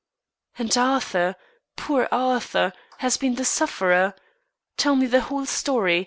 "And Arthur poor Arthur, has been the sufferer! Tell me the whole story.